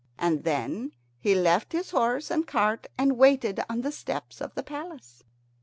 And then he left his horse and cart and waited on the steps of the palace.